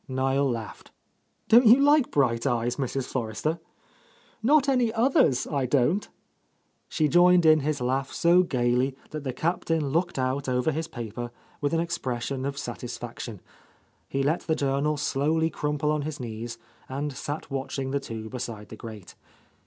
Niel laughed. "Don't you like bright eyes, Mrs. Forrester?" "Not any others, I don't!" She joined in his laugh so gaily that the Captain looked out over his paper with an expression of satisfaction. He let the journal slowly crumple on his knees, and sat watching the two beside the grate.